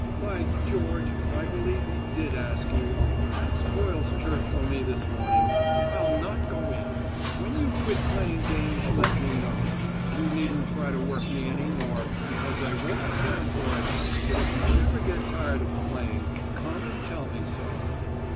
"By George, I believe he did ask you! That spoils church for me this morning; I'll not go in. When you quit playing games, let me know. You needn't try to work me any more, because I won't stand for it, but if you ever get tired of playing, come and tell me so."